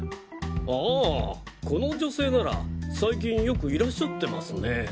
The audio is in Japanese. ああこの女性なら最近よくいらっしゃってますねぇ。